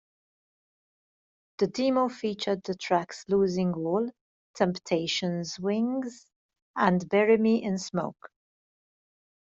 The demo featured the tracks "Losing All", "Temptations Wings" and "Bury Me in Smoke".